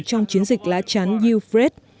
trong chiến dịch lá chắn yufret